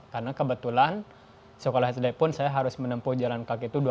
karena kebetulan sekolah sd pun saya harus menempuh jalan berikutnya